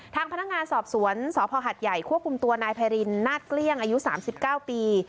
ทางพนักงานสอบสวนสพหัดใหญ่ควบคุมตัวนายไพรินนาศเกลี้ยงอายุ๓๙ปี